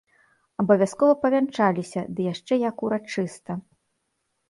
Абавязкова павянчаліся, ды яшчэ як урачыста.